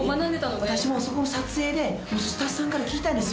「私もう撮影でスタッフさんから聞いたんですよ。